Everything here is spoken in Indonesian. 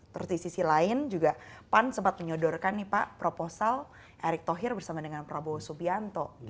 terus di sisi lain juga pan sempat menyodorkan nih pak proposal erick thohir bersama dengan prabowo subianto